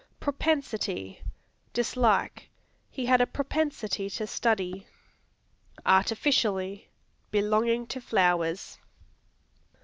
Propensity Dislike; "He had a propensity to study." Artificially Belonging to flowers.